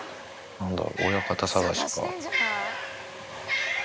なんだろう、親方捜しか。